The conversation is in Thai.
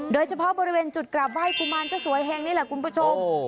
โดยเฉพาะบริเวณจุดกลับไห้กุมารเจ้าสวยเฮงนี่แหละคุณผู้ชม